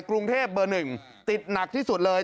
กรุงเทพเบอร์๑ติดหนักที่สุดเลย